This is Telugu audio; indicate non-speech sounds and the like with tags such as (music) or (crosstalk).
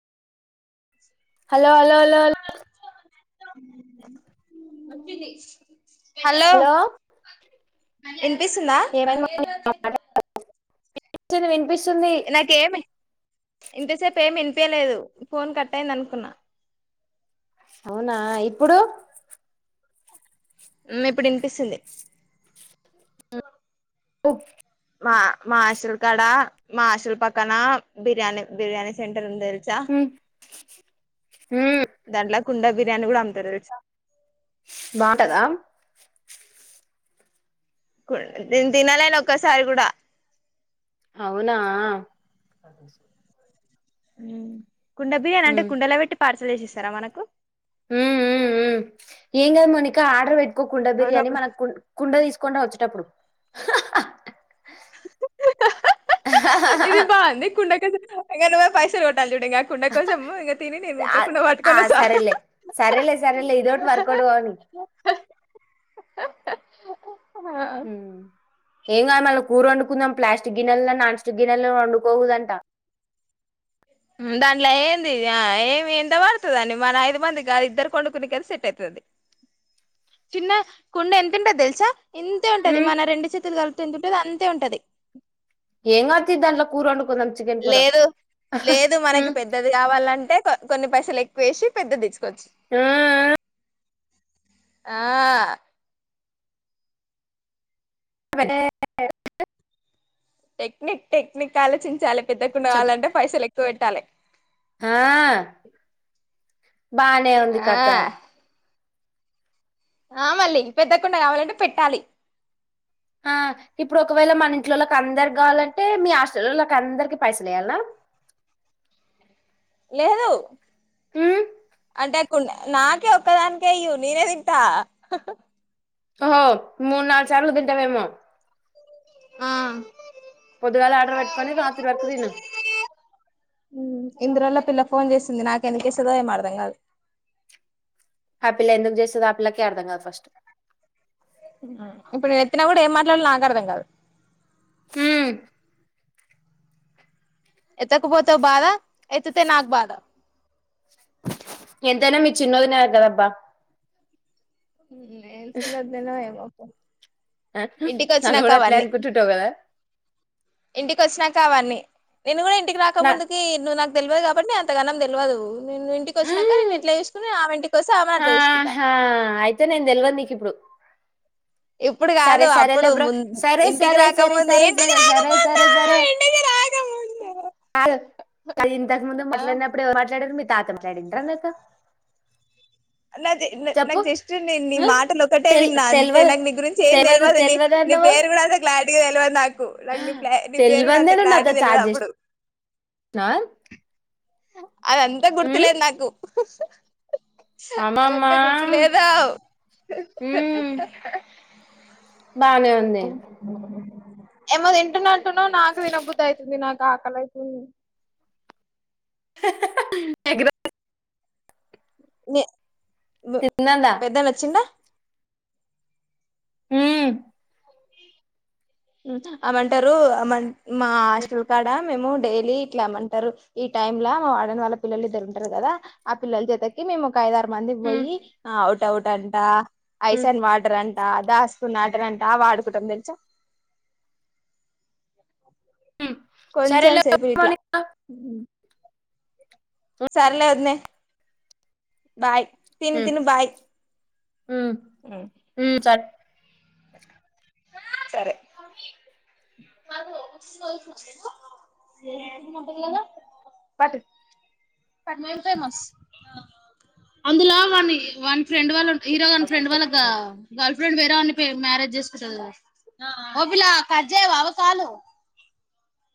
Hello hello hello hello (inaudible) (inaudible) hello ఇన్ ఇనిపిస్తుందా (inaudible) విను నాకేమి ఇంతసేపు ఏమి ఇనిపియ్యలేదు ఫోన్ కట్ అయింది అనుకున్నా అవునా ఎప్పుడు ఇప్పుడు వినిపిస్తుంది ఉహ్ మా హాస్టల్ కడ మా హాస్టల్ పక్కన బిర్యానీ బిర్యానీ సెంట ఉంది తెలుసా ఉమ్, ఉమ్, దాండ్ల కుండ బిర్యాని కూడా అమ్తారు తెలుసా బాగుంటదా తినాలేదు ఒక్కసారి కూడా అవునా హ్మ్ కుండ బిర్యాని అంటే ఉమ్, కుండలొ పెట్టి పర్ చేసిస్తారా మనకు ఉ ఉ ఇంకా మనకి ఆడర్ పెట్ ఇ కుండ అవును బిర్యానీ ఒక మనకు కు కుండ తీసుకొని రా వచ్చేటప్పుడు ఇది బావుంది కుండకెందూకు ఇక నువ్వే పైసలు పెట్టాలి చూడు ఇంకా కుండ కోసము ఇంకా తిని నేను ఆ ఊత్తకుండా ఆ పట్టుకొని వస్తా సరేలే సరేలే సరేలే ఇదోటి వర్కౌట్ కాని మ్మ్ ఏమ్ గా మాలుప్ (unintelligible) కూర వండుకుందాం ప్లాస్టిక్ గిన్నెలల్లో నాన్ స్టిక్ గిన్నెల్లో వండుకోకూడదంట దాంట్లో ఏంది ఏమి ఏంత పడుతదాని మన ఐదు మంది కాదు ఇద్దరు వండుకునికి అయితే సెట్ అవుయితాది అది చిన్న కుండ ఎంతుంటాది తెలుసా ఇంతే ఉంటాది ఉమ్, మన రెండు చేతులు కలుపు తింటే (unintelligible) ది అంతా ఉంటది ఎమ్ అవుతి దాంట్లో కూర వొండు లేదు లేదు మనకి ఉమ్, పెద్దది కావాలంటే కొన్ని పైసలు ఎక్కువేసి పెద్దదిచ్చు ఆఆ ఆ ఎహే ఆ (inaudible) టెక్నిక్ టెక్నిక్ ఆలోచించాలే పెద్ద కుండా కావాలంటే పైసలు ఎక్ చూపెట్టాలే గా బానే ఉంది ఆ కథ ఆ మల్లీ పెద్దకుండ కావాలంటే పెట్టాలి. ఆ ఇప్పుడు ఒకవేల మన ఇంట్లోలకి అందరి గావాలంటే మీ హాస్టలలోకి అందరికీ పైసలెయాలా? లేదు. అంటే కుండ నాకే ఒక్కదానికే ఇయూ నేనే తింటా. ఓహో మూన్నాల్గు సార్లు తింటవేమో. ఆ పొద్దుగాలే ఆర్డర్ పెట్టుకొని, రాత్రి వరకు తిన్నా. ఇంద్రాలో పిల్ల ఫోన్ చేసింది, నాకెందు చేస్తదో ఏమో అర్థం గాదు. ఆ పిల్ల ఎందుకు చేస్తుదో ఆ పిల్లకే అర్థం గాదు ఫస్ట్. ఇప్పుడు నేను ఎత్తినాగూడ ఏమ్మా ట్లడలొ నాకఅర్థం కాదు. హ్మ్మ్ ఎత్తకపోతే ఒ బాద ఎత్తితే నాకు బాద. ఎంతైనా మీ చిన్నోదినయే కదబ్బా. హ్మ్ ఏం చిన్న వదిననో ఏమో. పో అ తుస్ ఇంటికి నన్ను వచ్చినాక గుడా అట్లే అవన్నీ అనుకుట్టూంటావు గదా? క అవన్నీ. నిన్ను గుడా ఇం టికి రాక ముందుకీ నువ్ నా తెల్వదు కాబట్టి నే అంతగ నం తెల్వదూ, నేను ఇంటికి వచ్చినాక నేను ఎట్లా జేస్కుని ఆమె ఇంటిక్ ఆహా అయితే నేను దెల్వదు నీకిప్పుడు. ఇప్పుడు కాదు అప్పుడు ముం సరే ఇంటికి సరే సరే రాకముందు, సరే ఇంటికి సరే సరే రాకముందూ, సరే సరే ఇంటికి రాకముందు. కాదు తాతంగాడి ఇంటర్నెతొ నాకి న నాకు జస్ట్ నేన్ నీ ఆ మాటలు ఒకటే తెల్ విన్నా అంతే, తెల్వదు నాకు నీ గురించి ఏం తెల్వదు దెల్వదు నీ తెల్వదు నీ అన్నవు పేరు కూడా అస క్లారిటీగా తెల్వదు నాకు, నాకు నీ క్లా నీ పేరు కూడా అంత క్లారిటీ తెల్వదు అప్పుడు. ఆ అదంతా గుర్తులేదు నాకు. అమ్మమ్మ అదంతా గుర్తులేదూ. ఉమ్ బానే ఉంది ఏమో తింటున్న టునో నాకు తినబుధ్ధి అయితుంది నాక్ ఆకలైతుంది. ఎగ్ర నె బ్ తిన్నదా పెద్దన్న ఒచ్చిండా? మ్మ్ హ్మ్ ఆమె అంటారూ అమన్ మా ఆస్టల్ కాడా మేమూ డైలీ ఇట్లా ఏమంటారు ఈ టైమ్లా మా వార్డెన్ వాళ్ళ పిల్లలు ఇద్దరు ఉంటారు కదా ఆ పిల్లల చేతకి మేము ఒక ఐదారు మందిమీ ఉమ్ పోయి ఆ డౌట్ అంటా ఉమ్ ఐసన్ వాటర్ అం ట దాస్తుకున్నా అంట్టారంట ఆవాడుకుంటాం తెలుసా కొంచెం సరేలే సేపు ఇట్లా (unintelligible) సర్లే ఒదినే బాయ్ తిను తిను బాయ్ ఉ ఉ హు సర్ సరే అందులా వాని వాని ఫ్రెండ్ వాళ్ళు హీరో గాని ఫ్రెండ్ వాళ్ళగా గల్ ఇప్పుడుండి వేరేవని మ్యారేజ్ చేసుకుంటది గా అది కాలు